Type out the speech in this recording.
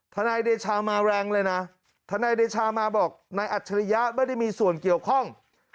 นายเดชามาแรงเลยนะทนายเดชามาบอกนายอัจฉริยะไม่ได้มีส่วนเกี่ยวข้อง